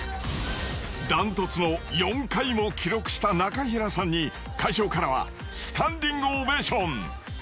ダントツの４回も記録した中平さんに会場からはスタンディングオベーション。